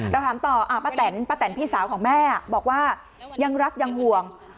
เราถามต่อป้าแตนป้าแตนพี่สาวของแม่บอกว่ายังรักยังห่วง